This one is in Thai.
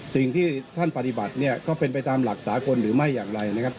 สิ่งที่ท่านปฏิบัติเนี่ยก็เป็นไปตามหลักสากลหรือไม่อย่างไรนะครับ